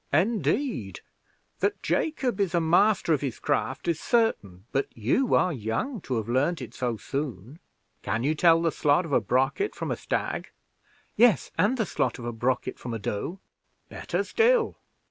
"Indeed! That Jacob is a master of his craft, is certain; but you are young to have learned it so soon. Can you tell the slot of a brocket from a stag?" "Yes, and the slot of a brocket from a doe." "Better still.